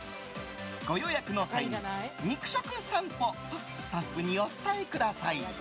ご予約の際に肉食さんぽとスタッフにお伝えください。